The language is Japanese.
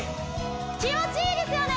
気持ちいいですよね